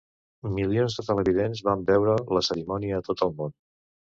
Milions de televidents van veure la cerimònia a tot el món.